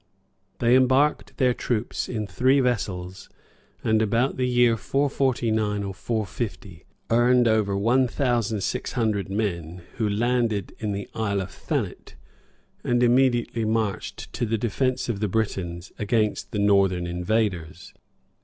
They embarked their troops in three vessels and about the year 449 or 450,[*] earned over one thousand six hundred men, who landed in the Isle of Thanet, and immediately marched to the defence of the Britons against the northern invaders.